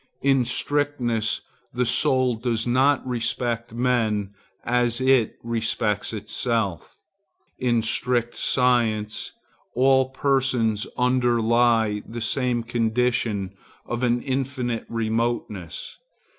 In strictness, the soul does not respect men as it respects itself. In strict science all persons underlie the same condition of an infinite remoteness.